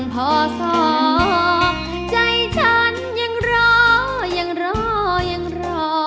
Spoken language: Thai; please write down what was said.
พอสอบใจฉันยังรอยังรอยังรอ